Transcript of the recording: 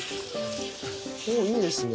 おぉいいですね。